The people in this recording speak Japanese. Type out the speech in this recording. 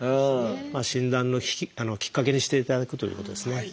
診断のきっかけにしていただくということですね。